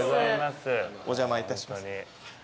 お邪魔いたします。